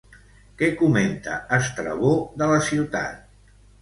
Què comenta Estrabó de la ciutat?